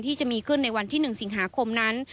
ที่จะมีขึ้นในวันที่๑สิงหาคมนั้น